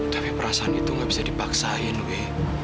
tapi perasaan itu gak bisa dipaksain gitu